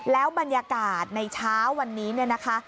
แล้วบรรยากาศในเช้าวันนี้เนี่ยนะคะ